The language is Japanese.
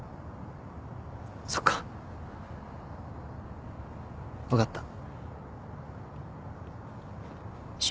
そっかわかった。